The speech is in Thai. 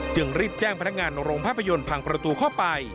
จึงรีบแจ้งพนักงานโรงภาพยนตร์พังประตูเข้าไป